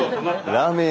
ラーメン屋。